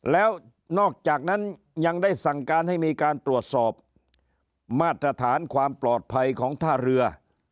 แล้วนอกจากนั้นยังได้สั่งการให้มีการตรวจสอบมาตรฐานความปลอดภัยของท่าเรือ